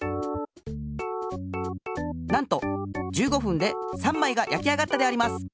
なんと１５ふんで３まいがやき上がったであります。